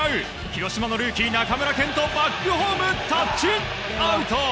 広島のルーキー、中村健人バックホーム、タッチアウト！